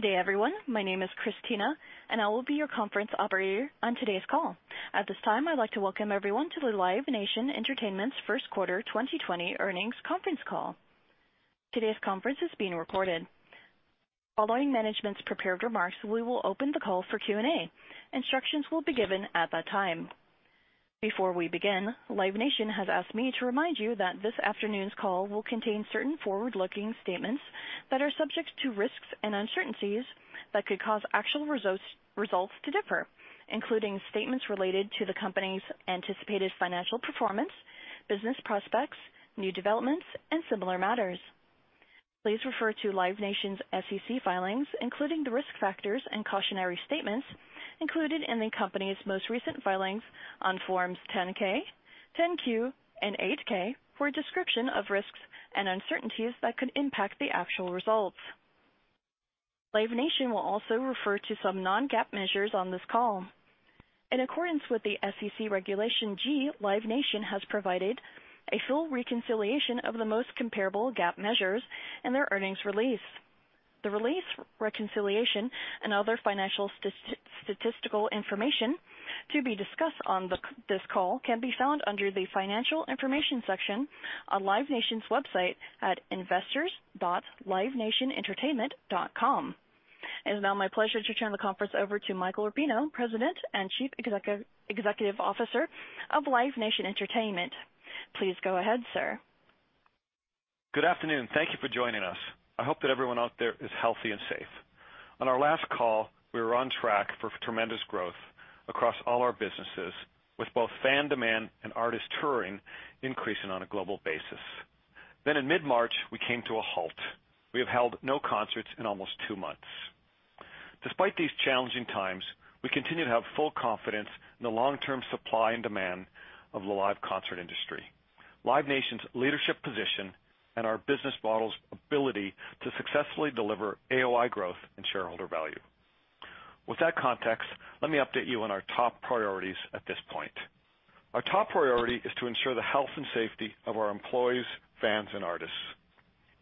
Good day, everyone. My name is Christina, and I will be your conference operator on today's call. At this time, I'd like to welcome everyone to the Live Nation Entertainment's first quarter 2020 earnings conference call. Today's conference is being recorded. Following management's prepared remarks, we will open the call for Q&A. Instructions will be given at that time. Before we begin, Live Nation has asked me to remind you that this afternoon's call will contain certain forward-looking statements that are subject to risks and uncertainties that could cause actual results to differ, including statements related to the company's anticipated financial performance, business prospects, new developments, and similar matters. Please refer to Live Nation's SEC filings, including the risk factors and cautionary statements included in the company's most recent filings on Forms 10-K, 10-Q, and 8-K for a description of risks and uncertainties that could impact the actual results. Live Nation will also refer to some non-GAAP measures on this call. In accordance with the SEC Regulation G, Live Nation has provided a full reconciliation of the most comparable GAAP measures in their earnings release. The release reconciliation and other financial statistical information to be discussed on this call can be found under the Financial Information section on Live Nation's website at investors.livenationentertainment.com. It is now my pleasure to turn the conference over to Michael Rapino, President and Chief Executive Officer of Live Nation Entertainment. Please go ahead, sir. Good afternoon. Thank you for joining us. I hope that everyone out there is healthy and safe. On our last call, we were on track for tremendous growth across all our businesses, with both fan demand and artist touring increasing on a global basis. In mid-March, we came to a halt. We have held no concerts in almost two months. Despite these challenging times, we continue to have full confidence in the long-term supply and demand of the live concert industry, Live Nation's leadership position, and our business model's ability to successfully deliver AOI growth and shareholder value. With that context, let me update you on our top priorities at this point. Our top priority is to ensure the health and safety of our employees, fans, and artists.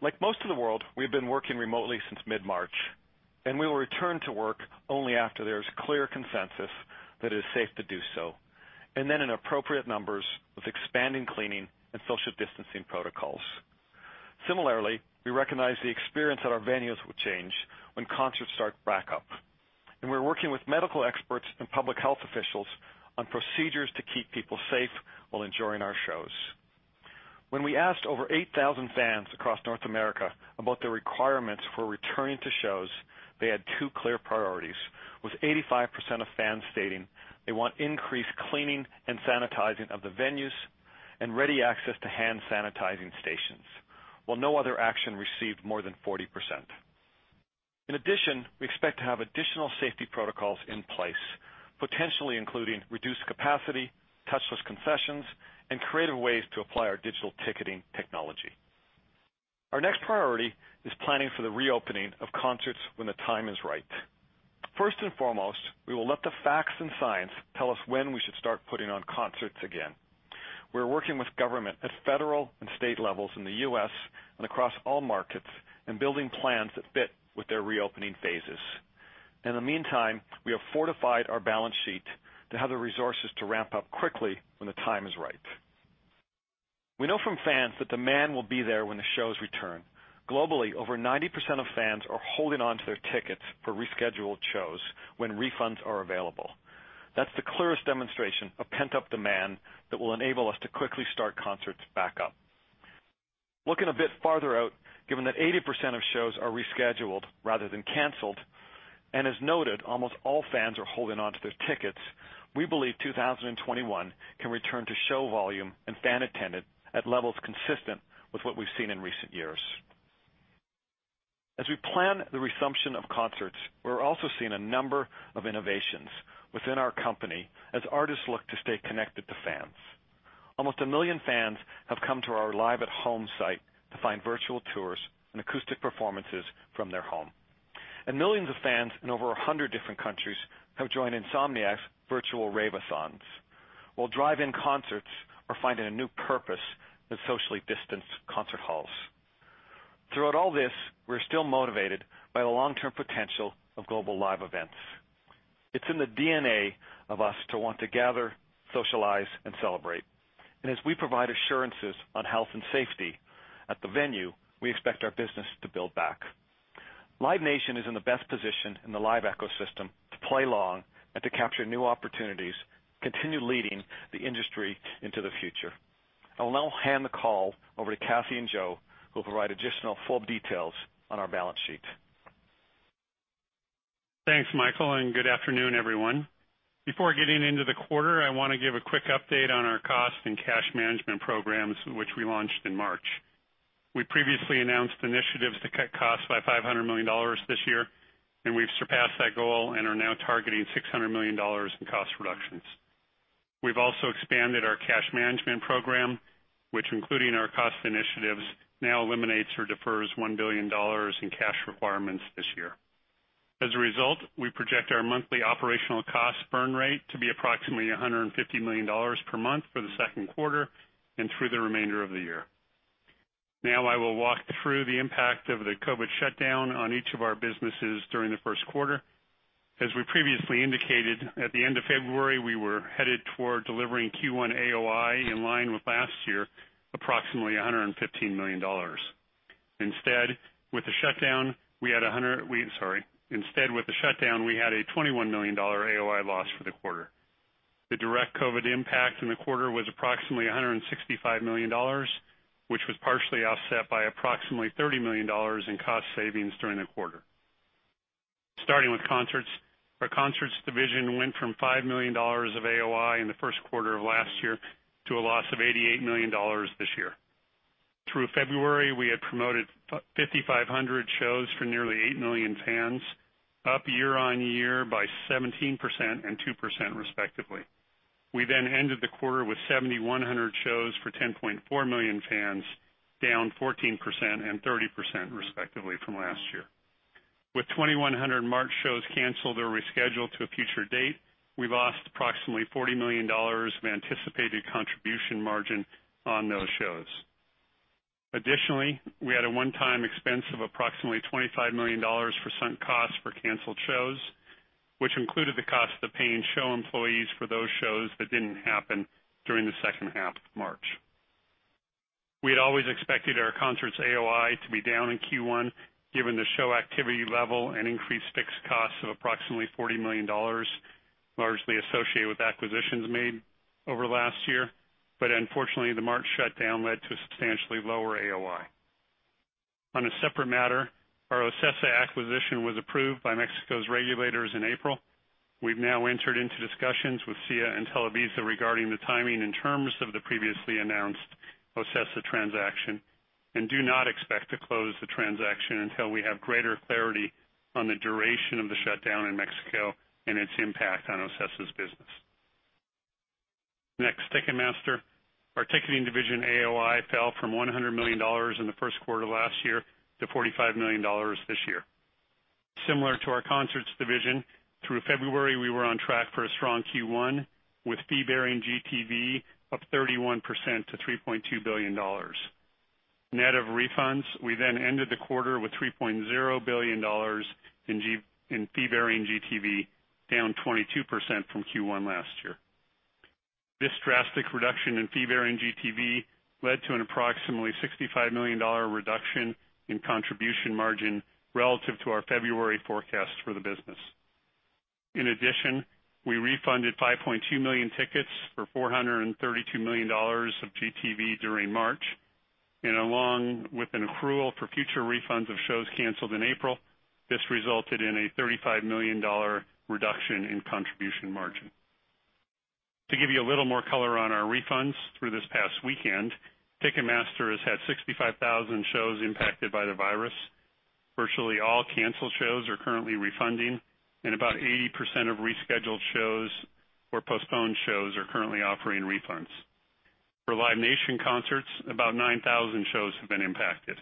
Like most of the world, we have been working remotely since mid-March. We will return to work only after there is clear consensus that it is safe to do so, and then in appropriate numbers with expanded cleaning and social distancing protocols. Similarly, we recognize the experience at our venues will change when concerts start back up, and we're working with medical experts and public health officials on procedures to keep people safe while enjoying our shows. When we asked over 8,000 fans across North America about their requirements for returning to shows, they had two clear priorities, with 85% of fans stating they want increased cleaning and sanitizing of the venues and ready access to hand sanitizing stations, while no other action received more than 40%. In addition, we expect to have additional safety protocols in place, potentially including reduced capacity, touchless concessions, and creative ways to apply our digital ticketing technology. Our next priority is planning for the reopening of concerts when the time is right. First and foremost, we will let the facts and science tell us when we should start putting on concerts again. We're working with government at federal and state levels in the U.S. and across all markets and building plans that fit with their reopening phases. In the meantime, we have fortified our balance sheet to have the resources to ramp up quickly when the time is right. We know from fans that demand will be there when the shows return. Globally, over 90% of fans are holding onto their tickets for rescheduled shows when refunds are available. That's the clearest demonstration of pent-up demand that will enable us to quickly start concerts back up. Looking a bit farther out, given that 80% of shows are rescheduled rather than canceled, as noted, almost all fans are holding onto their tickets, we believe 2021 can return to show volume and fan attendance at levels consistent with what we've seen in recent years. As we plan the resumption of concerts, we're also seeing a number of innovations within our company as artists look to stay connected to fans. Almost 1 million fans have come to our Live From Home site to find virtual tours and acoustic performances from their home. Millions of fans in over 100 different countries have joined Insomniac's Virtual Rave-A-Thons, while drive-in concerts are finding a new purpose with socially distanced concert halls. Throughout all this, we're still motivated by the long-term potential of global live events. It's in the DNA of us to want to gather, socialize, and celebrate. As we provide assurances on health and safety at the venue, we expect our business to build back. Live Nation is in the best position in the live ecosystem to play along and to capture new opportunities, continue leading the industry into the future. I will now hand the call over to Kathy and Joe, who will provide additional full details on our balance sheet. Thanks, Michael, and good afternoon, everyone. Before getting into the quarter, I want to give a quick update on our cost and cash management programs, which we launched in March. We previously announced initiatives to cut costs by $500 million this year. We've surpassed that goal and are now targeting $600 million in cost reductions. We've also expanded our cash management program, which including our cost initiatives, now eliminates or defers $1 billion in cash requirements this year. As a result, we project our monthly operational cost burn rate to be approximately $150 million per month for the second quarter and through the remainder of the year. I will walk through the impact of the COVID shutdown on each of our businesses during the first quarter. As we previously indicated, at the end of February, we were headed toward delivering Q1 AOI in line with last year, approximately $115 million. With the shutdown, we had a $21 million AOI loss for the quarter. The direct COVID impact in the quarter was approximately $165 million, which was partially offset by approximately $30 million in cost savings during the quarter. Starting with concerts. Our concerts division went from $5 million of AOI in the first quarter of last year to a loss of $88 million this year. Through February, we had promoted 5,500 shows for nearly 8 million fans, up year-over-year by 17% and 2% respectively. We ended the quarter with 7,100 shows for 10.4 million fans, down 14% and 30% respectively from last year. With 2,100 March shows canceled or rescheduled to a future date, we lost approximately $40 million of anticipated contribution margin on those shows. Additionally, we had a one-time expense of approximately $25 million for sunk costs for canceled shows, which included the cost of paying show employees for those shows that didn't happen during the second half of March. We had always expected our concerts AOI to be down in Q1, given the show activity level and increased fixed costs of approximately $40 million, largely associated with acquisitions made over the last year. Unfortunately, the March shutdown led to a substantially lower AOI. On a separate matter, our OCESA acquisition was approved by Mexico's regulators in April. We've now entered into discussions with CIE and Televisa regarding the timing and terms of the previously announced OCESA transaction and do not expect to close the transaction until we have greater clarity on the duration of the shutdown in Mexico and its impact on OCESA's business. Next, Ticketmaster. Our ticketing division AOI fell from $100 million in the first quarter last year to $45 million this year. Similar to our concerts division, through February, we were on track for a strong Q1 with fee-bearing GTV up 31% to $3.2 billion. Net of refunds, we then ended the quarter with $3.0 billion in fee-bearing GTV, down 22% from Q1 last year. This drastic reduction in fee-bearing GTV led to an approximately $65 million reduction in contribution margin relative to our February forecast for the business. We refunded 5.2 million tickets for $432 million of GTV during March, and along with an accrual for future refunds of shows canceled in April, this resulted in a $35 million reduction in contribution margin. To give you a little more color on our refunds through this past weekend, Ticketmaster has had 65,000 shows impacted by the virus. Virtually all canceled shows are currently refunding, and about 80% of rescheduled shows or postponed shows are currently offering refunds. For Live Nation concerts, about 9,000 shows have been impacted.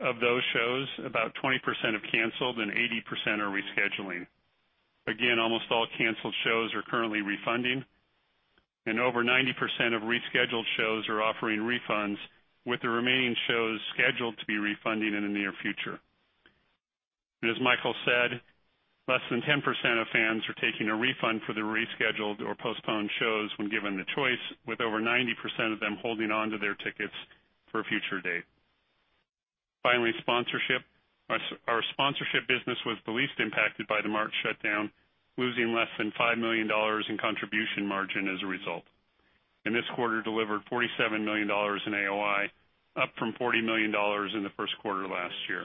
Of those shows, about 20% have canceled and 80% are rescheduling. Almost all canceled shows are currently refunding, and over 90% of rescheduled shows are offering refunds, with the remaining shows scheduled to be refunding in the near future. As Michael said, less than 10% of fans are taking a refund for the rescheduled or postponed shows when given the choice, with over 90% of them holding onto their tickets for a future date. Finally, sponsorship. Our sponsorship business was the least impacted by the March shutdown, losing less than $5 million in contribution margin as a result, and this quarter delivered $47 million in AOI, up from $40 million in the first quarter last year.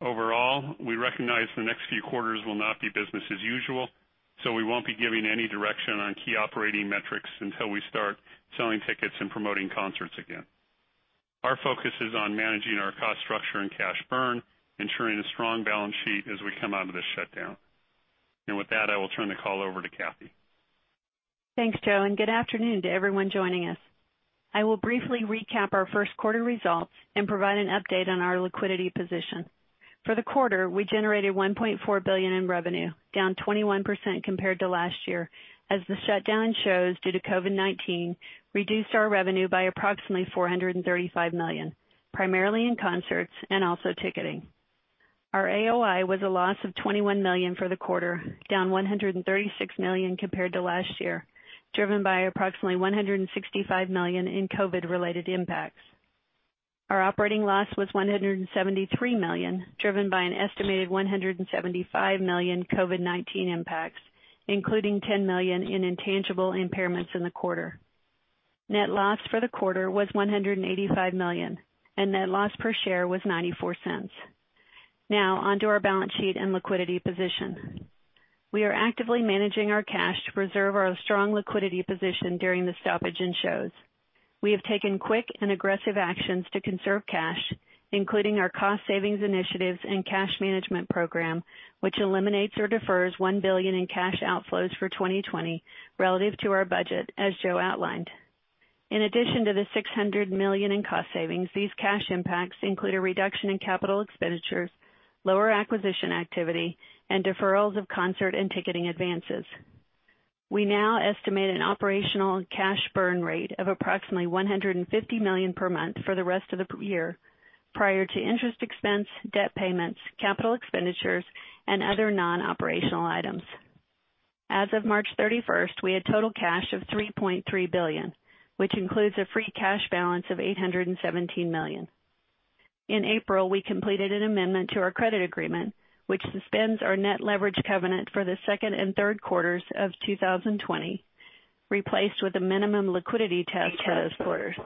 Overall, we recognize the next few quarters will not be business as usual, we won't be giving any direction on key operating metrics until we start selling tickets and promoting concerts again. Our focus is on managing our cost structure and cash burn, ensuring a strong balance sheet as we come out of this shutdown. With that, I will turn the call over to Kathy. Thanks, Joe, and good afternoon to everyone joining us. I will briefly recap our first quarter results and provide an update on our liquidity position. For the quarter, we generated $1.4 billion in revenue, down 21% compared to last year, as the shutdown in shows due to COVID-19 reduced our revenue by approximately $435 million, primarily in concerts and also ticketing. Our AOI was a loss of $21 million for the quarter, down $136 million compared to last year, driven by approximately $165 million in COVID-related impacts. Our operating loss was $173 million, driven by an estimated $175 million COVID-19 impacts, including $10 million in intangible impairments in the quarter. Net loss for the quarter was $185 million, and net loss per share was $0.94. Now, onto our balance sheet and liquidity position. We are actively managing our cash to preserve our strong liquidity position during the stoppage in shows. We have taken quick and aggressive actions to conserve cash, including our cost savings initiatives and cash management program, which eliminates or defers $1 billion in cash outflows for 2020 relative to our budget, as Joe outlined. In addition to the $600 million in cost savings, these cash impacts include a reduction in capital expenditures, lower acquisition activity, and deferrals of concert and ticketing advances. We now estimate an operational cash burn rate of approximately $150 million per month for the rest of the year, prior to interest expense, debt payments, capital expenditures, and other non-operational items. As of March 31st, we had total cash of $3.3 billion, which includes a free cash balance of $817 million. In April, we completed an amendment to our credit agreement, which suspends our net leverage covenant for the second and third quarters of 2020, replaced with a minimum liquidity test for those quarters.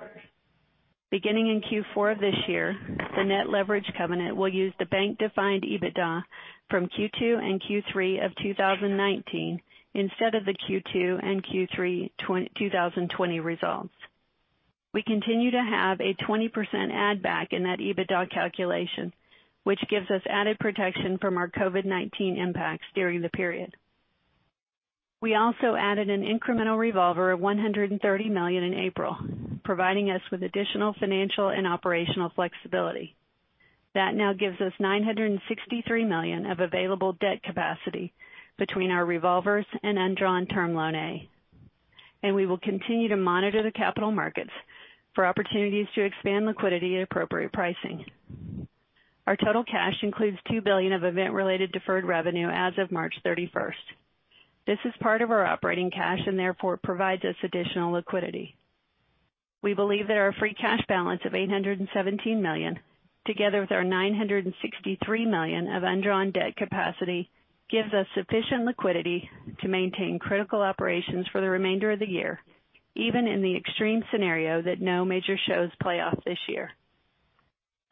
Beginning in Q4 of this year, the net leverage covenant will use the bank-defined EBITDA from Q2 and Q3 of 2019 instead of the Q2 and Q3 2020 results. We continue to have a 20% add back in that EBITDA calculation, which gives us added protection from our COVID-19 impacts during the period. We also added an incremental revolver of $130 million in April, providing us with additional financial and operational flexibility. Now gives us $963 million of available debt capacity between our revolvers and undrawn Term Loan A. We will continue to monitor the capital markets for opportunities to expand liquidity at appropriate pricing. Our total cash includes $2 billion of event-related deferred revenue as of March 31st. This is part of our operating cash and therefore provides us additional liquidity. We believe that our free cash balance of $817 million, together with our $963 million of undrawn debt capacity, gives us sufficient liquidity to maintain critical operations for the remainder of the year, even in the extreme scenario that no major shows play off this year.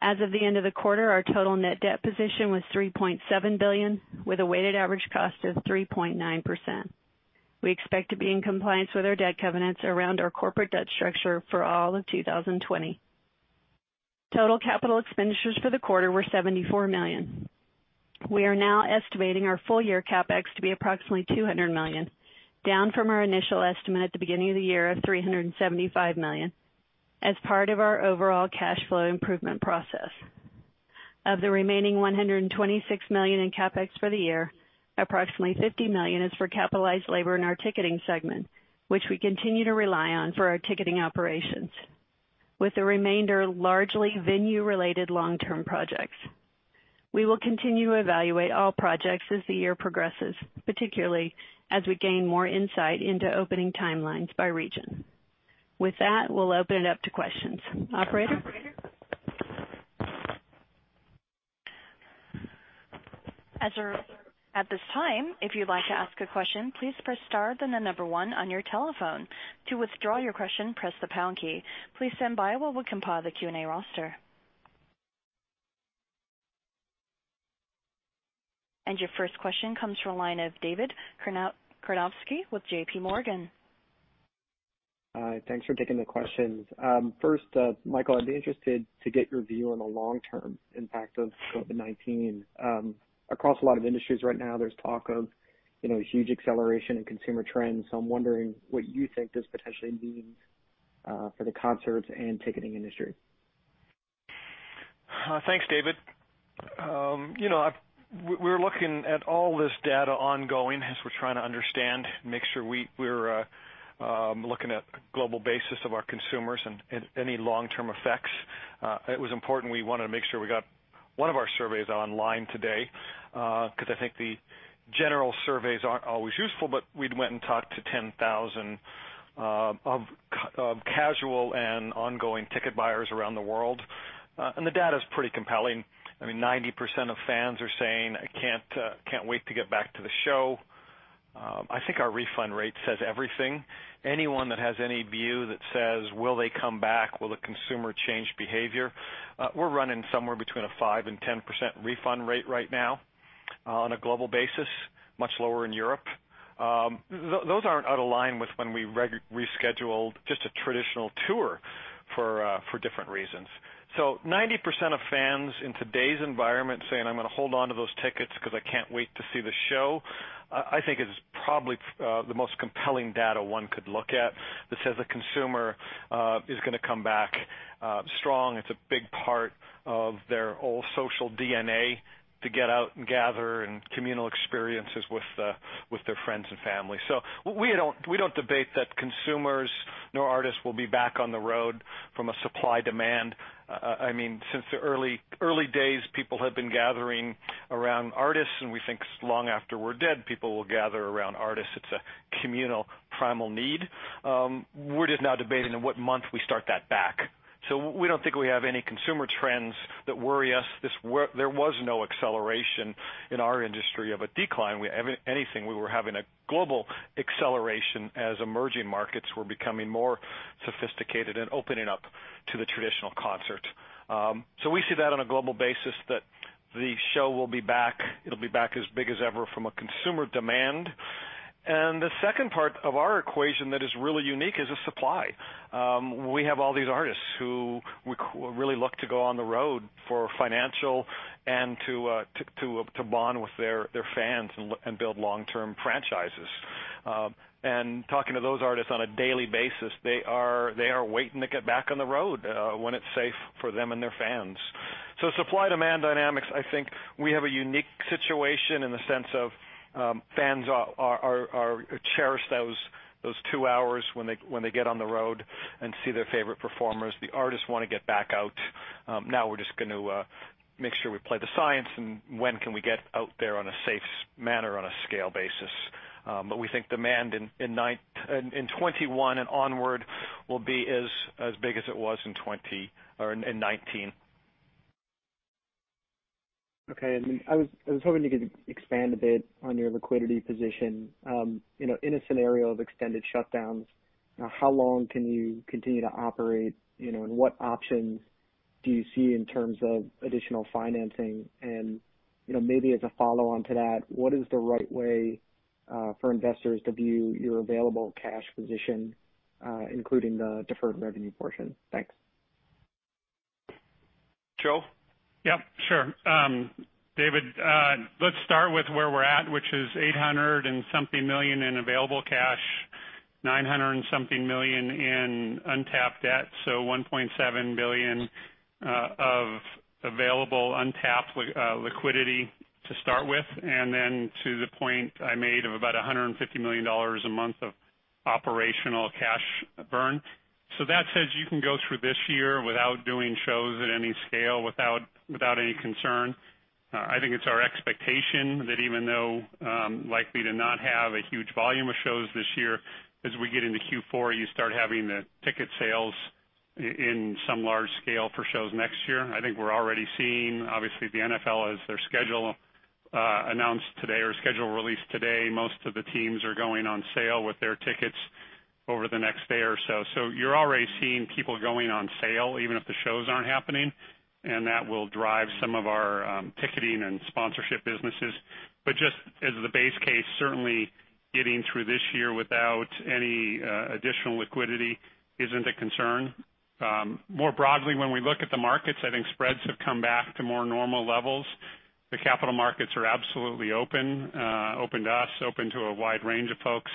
As of the end of the quarter, our total net debt position was $3.7 billion with a weighted average cost of 3.9%. We expect to be in compliance with our debt covenants around our corporate debt structure for all of 2020. Total capital expenditures for the quarter were $74 million. We are now estimating our full-year CapEx to be approximately $200 million, down from our initial estimate at the beginning of the year of $375 million as part of our overall cash flow improvement process. Of the remaining $126 million in CapEx for the year, approximately $50 million is for capitalized labor in our ticketing segment, which we continue to rely on for our ticketing operations. With the remainder largely venue-related long-term projects. We will continue to evaluate all projects as the year progresses, particularly as we gain more insight into opening timelines by region. With that, we'll open it up to questions. Operator? At this time, if you'd like to ask a question, please press star then the number one on your telephone. To withdraw your question, press the pound key. Please stand by while we compile the Q&A roster. Your first question comes from the line of David Karnovsky with JPMorgan. Hi, thanks for taking the questions. First, Michael, I'd be interested to get your view on the long-term impact of COVID-19. Across a lot of industries right now, there's talk of huge acceleration in consumer trends. I'm wondering what you think this potentially means for the concerts and ticketing industry? Thanks, David. We're looking at all this data ongoing as we're trying to understand, make sure we're looking at a global basis of our consumers and any long-term effects. It was important, we wanted to make sure we got one of our surveys online today, because I think the general surveys aren't always useful, but we went and talked to 10,000 of casual and ongoing ticket buyers around the world. The data is pretty compelling. I mean, 90% of fans are saying, I can't wait to get back to the show. I think our refund rate says everything. Anyone that has any view that says, will they come back? Will the consumer change behavior? We're running somewhere between a 5%-10% refund rate right now on a global basis, much lower in Europe. Those aren't out of line with when we rescheduled just a traditional tour for different reasons. 90% of fans in today's environment saying, I'm going to hold on to those tickets because I can't wait to see the show, I think is probably the most compelling data one could look at that says the consumer is going to come back strong. It's a big part of their whole social DNA to get out and gather in communal experiences with their friends and family. We don't debate that consumers nor artists will be back on the road from a supply-demand. Since the early days, people have been gathering around artists, and we think long after we're dead, people will gather around artists. It's a communal, primal need. We're just now debating in what month we start that back. We don't think we have any consumer trends that worry us. There was no acceleration in our industry of a decline. If anything, we were having a global acceleration as emerging markets were becoming more sophisticated and opening up to the traditional concert. We see that on a global basis that the show will be back. It'll be back as big as ever from a consumer demand. The second part of our equation that is really unique is the supply. We have all these artists who really look to go on the road for financial and to bond with their fans and build long-term franchises. Talking to those artists on a daily basis, they are waiting to get back on the road when it's safe for them and their fans. Supply-demand dynamics, I think we have a unique situation in the sense of fans cherish those two hours when they get on the road and see their favorite performers. The artists want to get back out. Now we're just going to make sure we play the science and when can we get out there on a safe manner, on a scale basis. We think demand in 2021 and onward will be as big as it was in 2019. Okay. I was hoping you could expand a bit on your liquidity position. In a scenario of extended shutdowns, how long can you continue to operate, and what options do you see in terms of additional financing? Maybe as a follow-on to that, what is the right way for investors to view your available cash position, including the deferred revenue portion? Thanks. Joe? Sure, David, let's start with where we're at, which is $800 million and something in available cash, $900 million and something in untapped debt, $1.7 billion of available untapped liquidity to start with. Then to the point I made of about $150 million a month of operational cash burn. That says you can go through this year without doing shows at any scale, without any concern. I think it's our expectation that even though likely to not have a huge volume of shows this year, as we get into Q4, you start having the ticket sales in some large scale for shows next year. I think we're already seeing, obviously the NFL has their schedule released today. Most of the teams are going on sale with their tickets over the next day or so. You're already seeing people going on sale, even if the shows aren't happening, and that will drive some of our ticketing and sponsorship businesses. Just as the base case, certainly getting through this year without any additional liquidity isn't a concern. Broadly, when we look at the markets, I think spreads have come back to more normal levels. The capital markets are absolutely open to us, open to a wide range of folks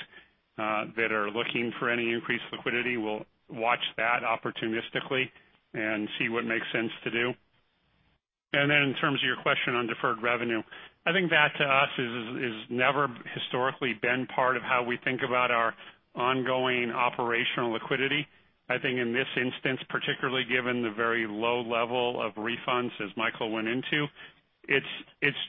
that are looking for any increased liquidity. We'll watch that opportunistically and see what makes sense to do. Then in terms of your question on deferred revenue, I think that to us has never historically been part of how we think about our ongoing operational liquidity. I think in this instance, particularly given the very low level of refunds as Michael went into, it's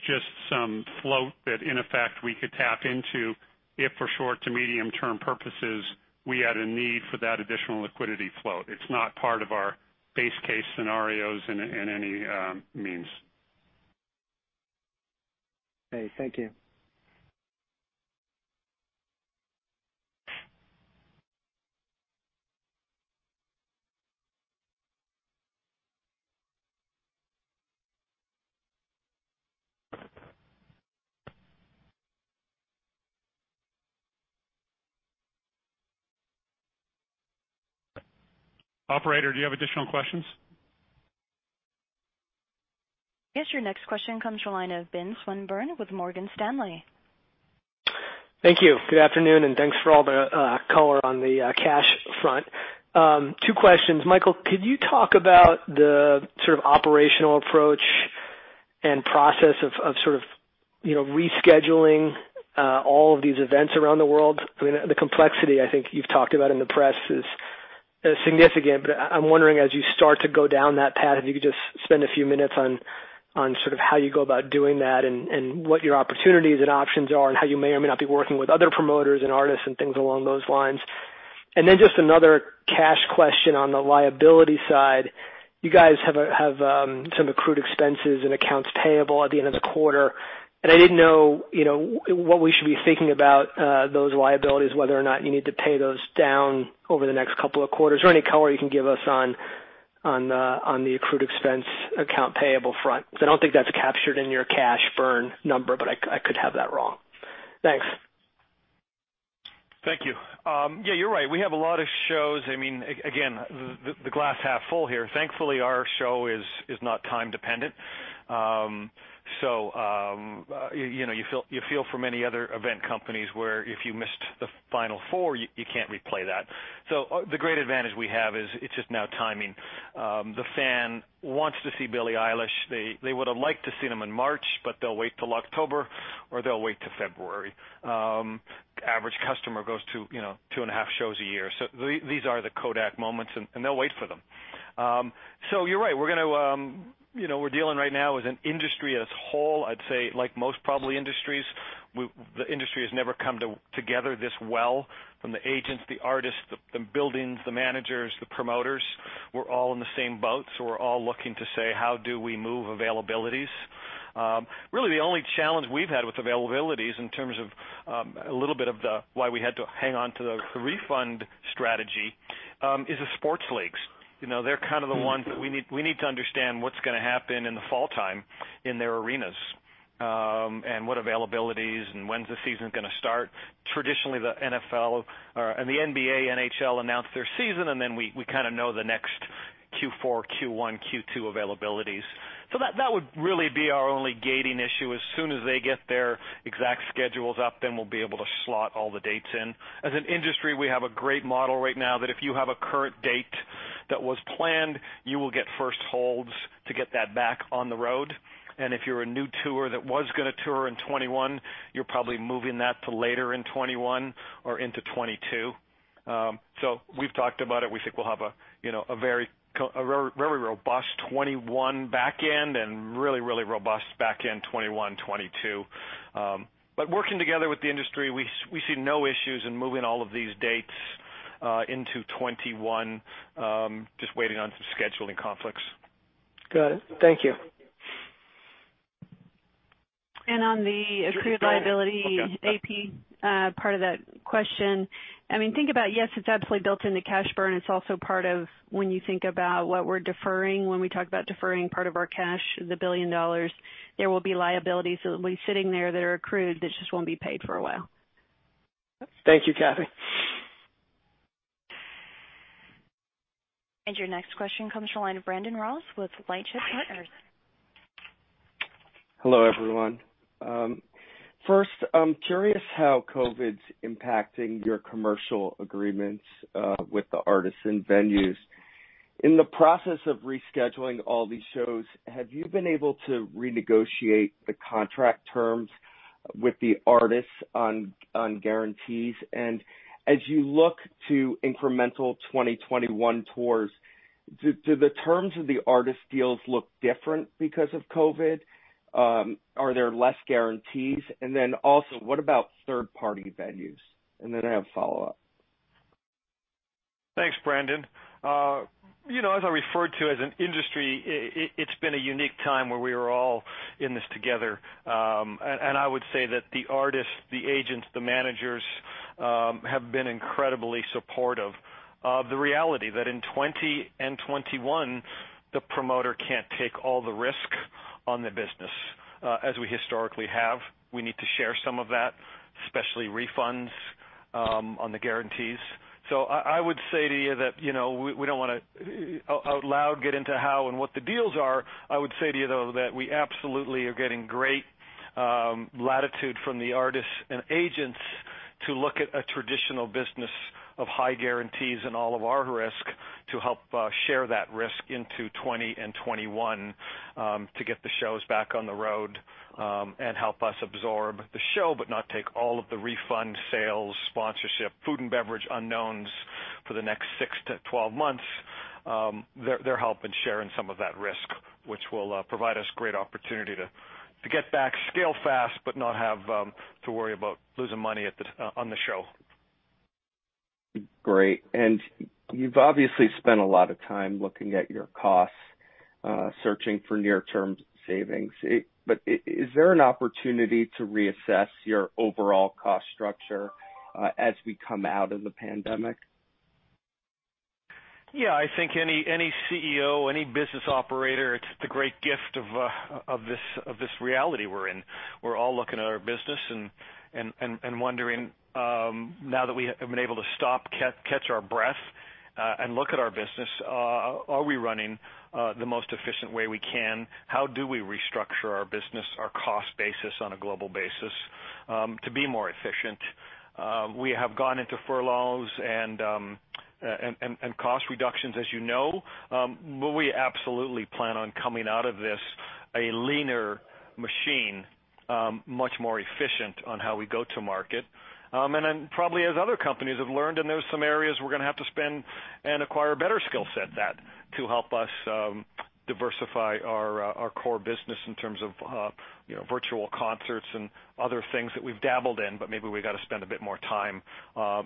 just some float that in effect we could tap into if for short to medium-term purposes we had a need for that additional liquidity float. It's not part of our base case scenarios in any means. Okay. Thank you. Operator, do you have additional questions? Yes, your next question comes from the line of Ben Swinburne with Morgan Stanley. Thank you. Good afternoon, and thanks for all the color on the cash front. Two questions. Michael, could you talk about the sort of operational approach and process of sort of rescheduling all of these events around the world? The complexity I think you've talked about in the press is significant, but I'm wondering as you start to go down that path, if you could just spend a few minutes on sort of how you go about doing that and what your opportunities and options are, and how you may or may not be working with other promoters and artists and things along those lines. Just another cash question on the liability side. You guys have some accrued expenses and accounts payable at the end of the quarter, and I didn't know what we should be thinking about those liabilities, whether or not you need to pay those down over the next couple of quarters or any color you can give us on the accrued expense account payable front. Because I don't think that's captured in your cash burn number, but I could have that wrong. Thanks. Thank you. Yeah, you're right. We have a lot of shows. Again, the glass half full here. Thankfully, our show is not time-dependent. You feel for many other event companies, where if you missed the Final Four, you can't replay that. The great advantage we have is it's just now timing. The fan wants to see Billie Eilish. They would've liked to see them in March, but they'll wait till October or they'll wait till February. Average customer goes to two and a half shows a year. These are the Kodak moments, and they'll wait for them. You're right. We're dealing right now with an industry as a whole, I'd say like most probably industries. The industry has never come together this well, from the agents, the artists, the buildings, the managers, the promoters. We're all in the same boat, so we're all looking to say, how do we move availabilities? Really the only challenge we've had with availabilities in terms of a little bit of why we had to hang on to the refund strategy, is the sports leagues. They're kind of the ones that we need to understand what's going to happen in the fall time in their arenas, and what availabilities and when's the season going to start. Traditionally, the NFL and the NBA, NHL announce their season, and then we kind of know the next Q4, Q1, Q2 availabilities. That would really be our only gating issue. As soon as they get their exact schedules up, then we'll be able to slot all the dates in. As an industry, we have a great model right now that if you have a current date that was planned, you will get first holds to get that back on the road, and if you're a new tour that was going to tour in 2021, you're probably moving that to later in 2021 or into 2022. We've talked about it. We think we'll have a very robust 2021 back end and really robust back end 2021, 2022. Working together with the industry, we see no issues in moving all of these dates into 2021. Just waiting on some scheduling conflicts. Got it. Thank you. On the accrued liability AP part of that question, think about, yes, it's absolutely built into cash burn. It's also part of when you think about what we're deferring, when we talk about deferring part of our cash, the $1 billion, there will be liabilities that'll be sitting there that are accrued that just won't be paid for a while. Thank you, Kathy. Your next question comes from the line of Brandon Ross with LightShed Partners. Hello, everyone. First, I'm curious how COVID's impacting your commercial agreements with the artists and venues. In the process of rescheduling all these shows, have you been able to renegotiate the contract terms with the artists on guarantees? As you look to incremental 2021 tours, do the terms of the artist deals look different because of COVID? Are there less guarantees? Also, what about third-party venues? I have a follow-up. Thanks, Brandon. As I referred to as an industry, it's been a unique time where we are all in this together. I would say that the artists, the agents, the managers, have been incredibly supportive of the reality that in 2020 and 2021, the promoter can't take all the risk on the business as we historically have. We need to share some of that, especially refunds on the guarantees. I would say to you that we don't want to, out loud, get into how and what the deals are. I would say to you, though, that we absolutely are getting great latitude from the artists and agents to look at a traditional business of high guarantees and all of our risk to help share that risk into 2020 and 2021 to get the shows back on the road and help us absorb the show but not take all of the refund sales, sponsorship, food and beverage unknowns for the next six to 12 months. They're helping share in some of that risk, which will provide us great opportunity to get back, scale fast, but not have to worry about losing money on the show. Great. You've obviously spent a lot of time looking at your costs, searching for near-term savings. Is there an opportunity to reassess your overall cost structure as we come out of the pandemic? Yeah. I think any CEO, any business operator, it's the great gift of this reality we're in. We're all looking at our business and wondering, now that we have been able to stop, catch our breath, and look at our business, are we running the most efficient way we can? How do we restructure our business, our cost basis on a global basis to be more efficient? We have gone into furloughs and cost reductions, as you know. We absolutely plan on coming out of this a leaner machine, much more efficient on how we go to market. Probably as other companies have learned, and there's some areas we're going to have to spend and acquire a better skill set at to help us diversify our core business in terms of virtual concerts and other things that we've dabbled in, but maybe we've got to spend a bit more time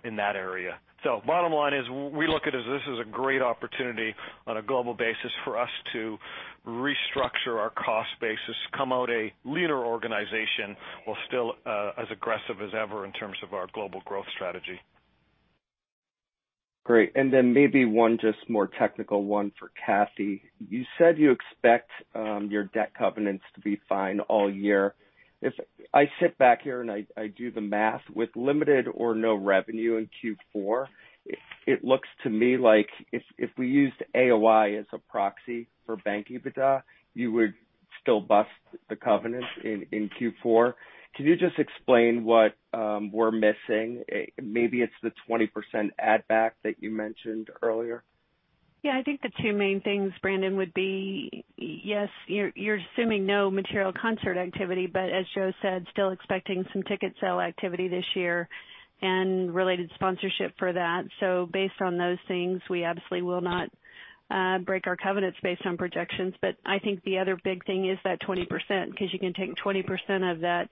in that area. Bottom line is, we look at it as this is a great opportunity on a global basis for us to restructure our cost basis, come out a leaner organization while still as aggressive as ever in terms of our global growth strategy. Great. Maybe one just more technical one for Kathy. You said you expect your debt covenants to be fine all year. If I sit back here and I do the math, with limited or no revenue in Q4, it looks to me like if we used AOI as a proxy for bank EBITDA, you would still bust the covenant in Q4. Can you just explain what we're missing? Maybe it's the 20% add back that you mentioned earlier. Yeah. I think the two main things, Brandon, would be, yes, you're assuming no material concert activity, but as Joe said, still expecting some ticket sale activity this year and related sponsorship for that. Based on those things, we obviously will not break our covenants based on projections. I think the other big thing is that 20%, because you can take 20% of that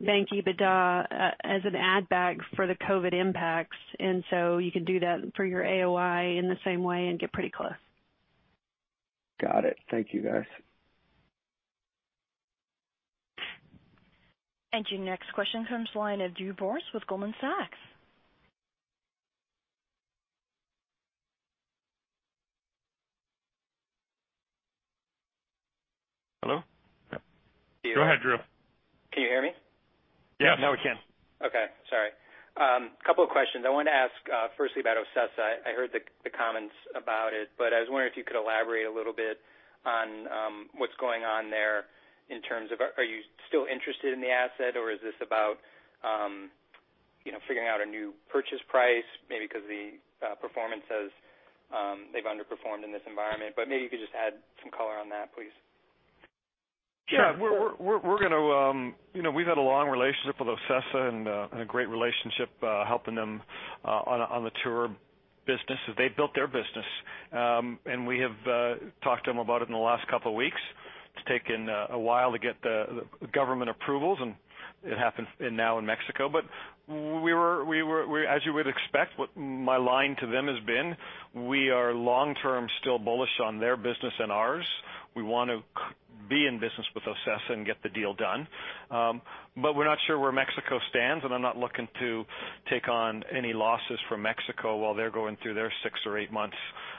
bank EBITDA as an add back for the COVID impacts. You can do that for your AOI in the same way and get pretty close. Got it. Thank you, guys. Your next question comes line of Drew Borst with Goldman Sachs. Hello? Go ahead, Drew. Can you hear me? Yeah, now we can. Okay. Sorry. Couple of questions. I want to ask firstly about OCESA. I heard the comments about it, I was wondering if you could elaborate a little bit on what's going on there in terms of are you still interested in the asset or is this about figuring out a new purchase price maybe because the performance says they've underperformed in this environment. Maybe if you could just add some color on that, please. Yeah. We've had a long relationship with OCESA and a great relationship helping them on the tour business as they built their business. We have talked to them about it in the last couple of weeks. It's taken a while to get the government approvals, and it happened now in Mexico. As you would expect, what my line to them has been, we are long-term still bullish on their business and ours. We want to be in business with OCESA and get the deal done. We're not sure where Mexico stands, and I'm not looking to take on any losses from Mexico while they're going through their six or eight months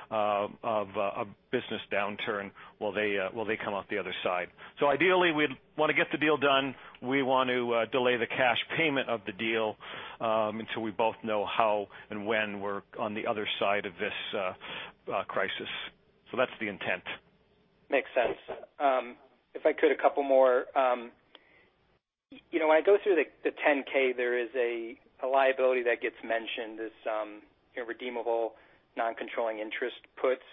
of a business downturn while they come out the other side. Ideally, we'd want to get the deal done. We want to delay the cash payment of the deal until we both know how and when we're on the other side of this crisis. That's the intent. Makes sense. If I could, a couple more. When I go through the 10-K, there is a liability that gets mentioned, this redeemable non-controlling interest puts.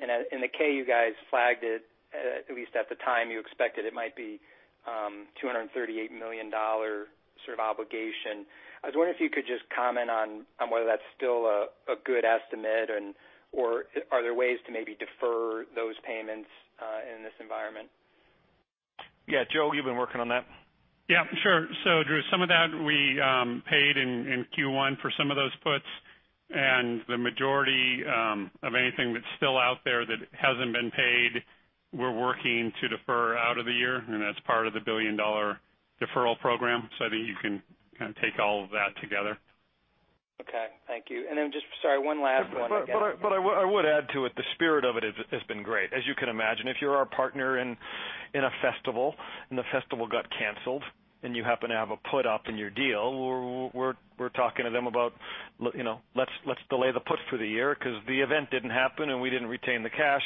In the K, you guys flagged it, at least at the time, you expected it might be $238 million sort of obligation. I was wondering if you could just comment on whether that's still a good estimate or are there ways to maybe defer those payments in this environment? Yeah. Joe, you've been working on that. Yeah, sure. Drew, some of that we paid in Q1 for some of those puts, the majority of anything that's still out there that hasn't been paid, we're working to defer out of the year. That's part of the billion-dollar deferral program. I think you can kind of take all of that together. Okay. Thank you. Just, sorry, one last one, I guess. I would add to it, the spirit of it has been great. As you can imagine, if you're our partner in a festival and the festival got canceled and you happen to have a put up in your deal, we're talking to them about let's delay the put for the year because the event didn't happen and we didn't retain the cash.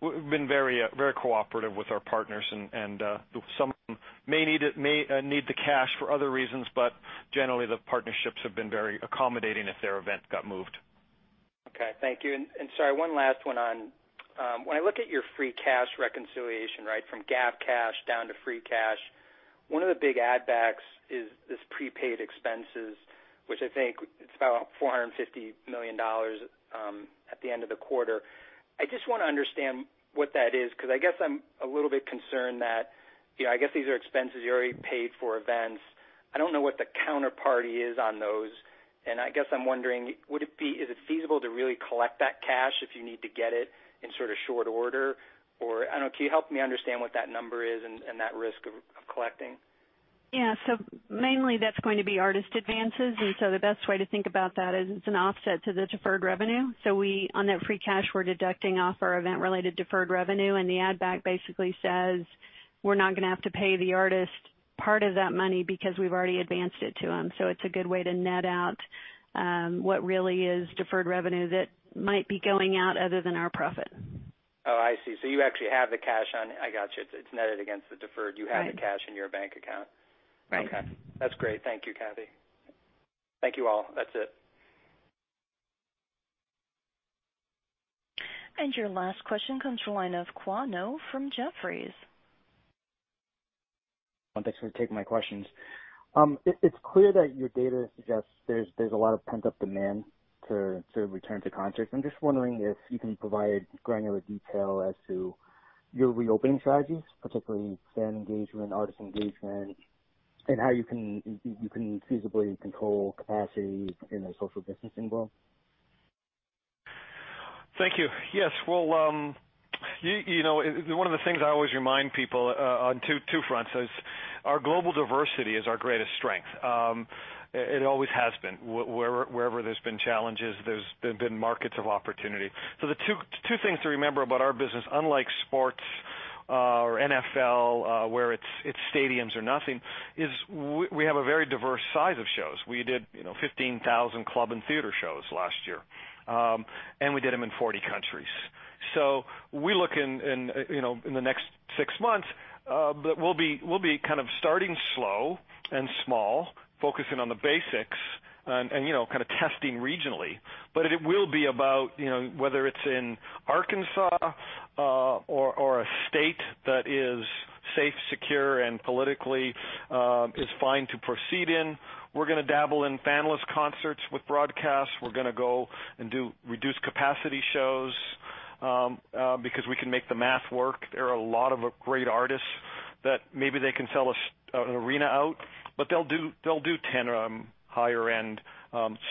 We've been very cooperative with our partners and some of them may need the cash for other reasons, but generally, the partnerships have been very accommodating if their event got moved. Okay. Thank you. Sorry, one last one on, when I look at your free cash reconciliation, from GAAP cash down to free cash, one of the big add backs is this prepaid expenses, which I think it's about $450 million at the end of the quarter. I just want to understand what that is, because I guess I'm a little bit concerned that, I guess these are expenses you already paid for events. I don't know what the counterparty is on those, and I guess I'm wondering, is it feasible to really collect that cash if you need to get it in sort of short order? I don't know, can you help me understand what that number is and that risk of collecting? Yeah. Mainly that's going to be artist advances, the best way to think about that is it's an offset to the deferred revenue. On that free cash, we're deducting off our event-related deferred revenue, the add back basically says we're not going to have to pay the artist part of that money because we've already advanced it to them. It's a good way to net out what really is deferred revenue that might be going out other than our profit. Oh, I see. You actually have the cash. I got you. It's netted against the deferred. Right. You have the cash in your bank account. Right. Okay. That's great. Thank you, Kathy. Thank you, all. That's it. Your last question comes from the line of Khoa Ngo from Jefferies. Thanks for taking my questions. It's clear that your data suggests there's a lot of pent-up demand to return to concerts. I'm just wondering if you can provide granular detail as to your reopening strategies, particularly fan engagement, artist engagement, and how you can feasibly control capacity in a social distancing world. Thank you. Yes. Well, one of the things I always remind people on two fronts is our global diversity is our greatest strength. It always has been. Wherever there's been challenges, there's been markets of opportunity. The two things to remember about our business, unlike sports or NFL, where it's stadiums or nothing, is we have a very diverse size of shows. We did 15,000 club and theater shows last year, and we did them in 40 countries. We look in the next six months, we'll be kind of starting slow and small, focusing on the basics and kind of testing regionally. It will be about whether it's in Arkansas or a state that is safe, secure, and politically is fine to proceed in. We're going to dabble in fan-less concerts with broadcasts. We're going to go and do reduced capacity shows because we can make the math work. There are a lot of great artists that maybe they can sell an arena out, but they'll do 10 higher-end,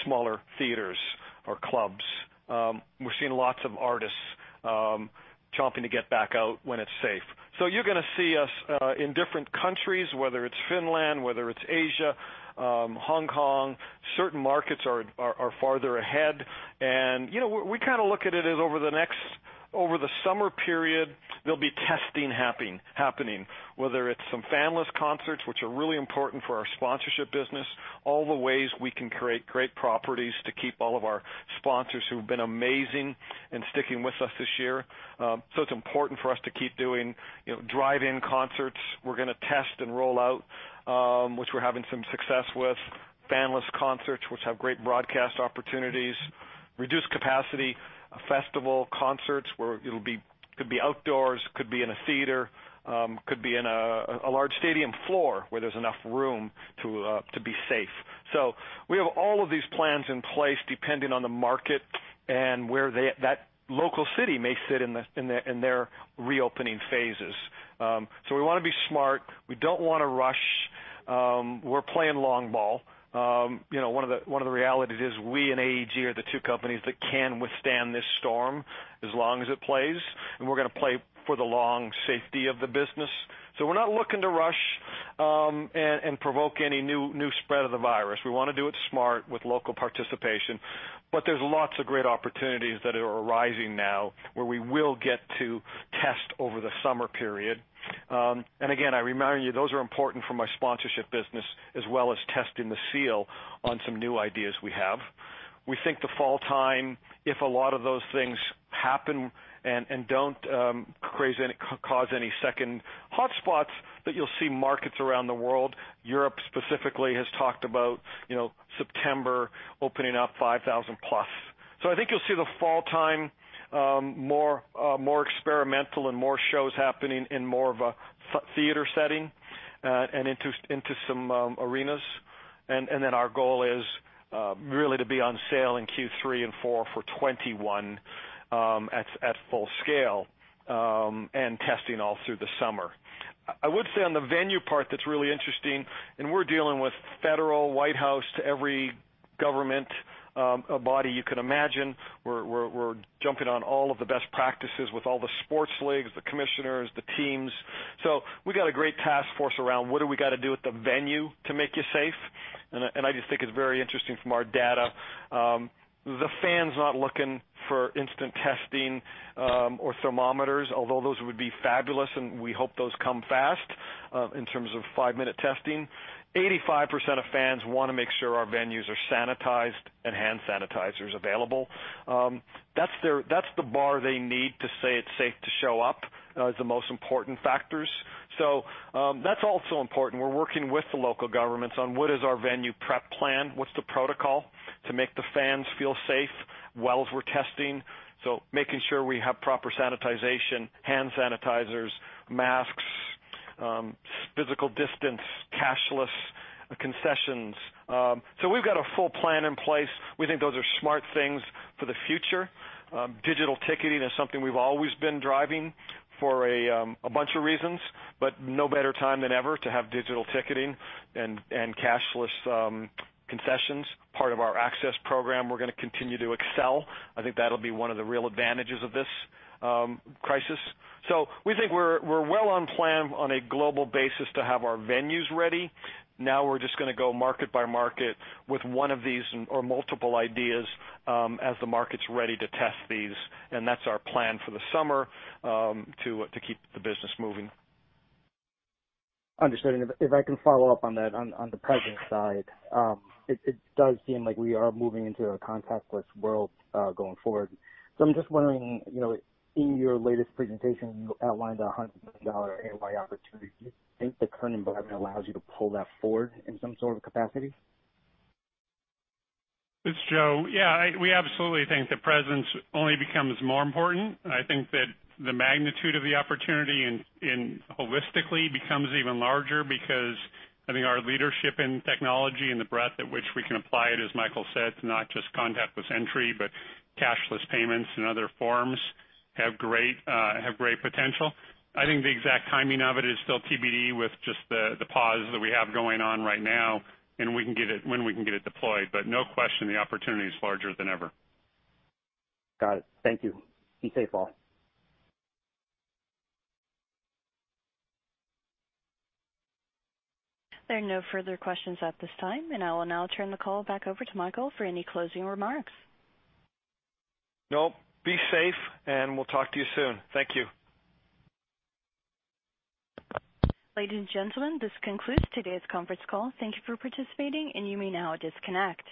smaller theaters or clubs. We're seeing lots of artists chomping to get back out when it's safe. You're going to see us in different countries, whether it's Finland, whether it's Asia, Hong Kong, certain markets are farther ahead. We look at it as over the summer period, there'll be testing happening, whether it's some fanless concerts, which are really important for our sponsorship business, all the ways we can create great properties to keep all of our sponsors who've been amazing in sticking with us this year. It's important for us to keep doing drive-in concerts. We're going to test and roll out, which we're having some success with, fanless concerts, which have great broadcast opportunities, reduced capacity festival concerts, where it could be outdoors, could be in a theater, could be in a large stadium floor where there's enough room to be safe. We have all of these plans in place depending on the market and where that local city may sit in their reopening phases. We want to be smart. We don't want to rush. We're playing long ball. One of the realities is we and AEG are the two companies that can withstand this storm as long as it plays, and we're going to play for the long safety of the business. We're not looking to rush and provoke any new spread of the virus. We want to do it smart with local participation. There's lots of great opportunities that are arising now where we will get to test over the summer period. Again, I remind you, those are important for my sponsorship business, as well as testing the seal on some new ideas we have. We think the fall time, if a lot of those things happen and don't cause any second hotspots, that you'll see markets around the world. Europe specifically has talked about September opening up 5,000+. I think you'll see the fall time more experimental and more shows happening in more of a theater setting and into some arenas. Then our goal is really to be on sale in Q3 and Q4 for 2021 at full scale and testing all through the summer. I would say on the venue part that's really interesting, and we're dealing with federal, White House, to every government body you can imagine. We're jumping on all of the best practices with all the sports leagues, the commissioners, the teams. We've got a great task force around what do we got to do with the venue to make you safe. I just think it's very interesting from our data. The fan's not looking for instant testing or thermometers, although those would be fabulous and we hope those come fast in terms of five-minute testing. 85% of fans want to make sure our venues are sanitized and hand sanitizers available. That's the bar they need to say it's safe to show up as the most important factors. That's also important. We're working with the local governments on what is our venue prep plan, what's the protocol to make the fans feel safe while we're testing. Making sure we have proper sanitization, hand sanitizers, masks, physical distance, cashless concessions. We've got a full plan in place. We think those are smart things for the future. Digital ticketing is something we've always been driving for a bunch of reasons, but no better time than ever to have digital ticketing and cashless concessions. Part of our Access program we're going to continue to excel. I think that'll be one of the real advantages of this crisis. We think we're well on plan on a global basis to have our venues ready. Now we're just going to go market by market with one of these or multiple ideas as the market's ready to test these, and that's our plan for the summer to keep the business moving. Understood. If I can follow up on that on the Presence side. It does seem like we are moving into a contactless world going forward. I'm just wondering, in your latest presentation, you outlined a $100 million Amy opportunity. Do you think the current environment allows you to pull that forward in some sort of capacity? It's Joe. Yeah, we absolutely think that Presence only becomes more important. I think that the magnitude of the opportunity holistically becomes even larger because I think our leadership in technology and the breadth at which we can apply it, as Michael said, to not just contactless entry, but cashless payments and other forms have great potential. I think the exact timing of it is still TBD with just the pause that we have going on right now and when we can get it deployed. No question, the opportunity is larger than ever. Got it. Thank you. Be safe, all. There are no further questions at this time, and I will now turn the call back over to Michael for any closing remarks. No. Be safe, and we'll talk to you soon. Thank you. Ladies and gentlemen, this concludes today's conference call. Thank you for participating, and you may now disconnect.